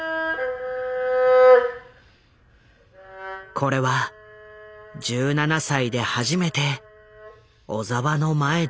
これは１７歳で初めて小澤の前で演奏した曲だ。